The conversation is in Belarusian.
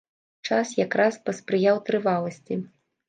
Час якраз паспрыяў трываласці.